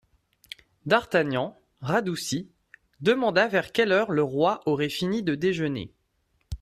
D'Artagnan, radouci, demanda vers quelle heure le roi aurait fini de déjeuner.